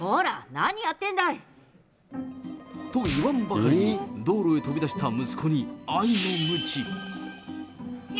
何やってんだい！と言わんばかりに、道路へ飛び出した息子に愛のむち。